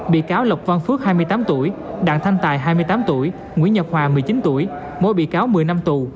bị cáo lộc văn phước hai mươi tám tuổi đảng thanh tài hai mươi tám tuổi nguyễn nhật hòa một mươi chín tuổi mỗi bị cáo một mươi năm tù